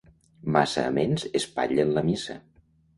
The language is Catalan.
Massa amens espatllen la missa.